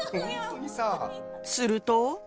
すると。